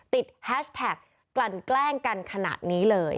แฮชแท็กกลั่นแกล้งกันขนาดนี้เลย